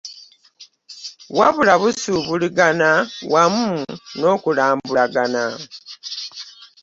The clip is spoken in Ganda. Wabula busuubulagana wamu n'okulambulagana